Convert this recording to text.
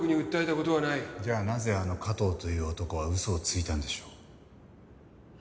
じゃあなぜあの加藤という男は嘘をついたんでしょう？